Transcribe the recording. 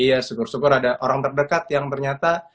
iya syukur syukur ada orang terdekat yang ternyata